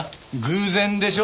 偶然でしょ。